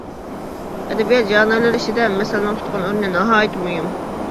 ئەدەبىيات ژانىرلىرى ئىچىدە مەسەلنىڭ تۇتقان ئورنى ناھايىتى مۇھىم.